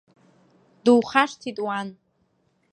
Духашҭит уан!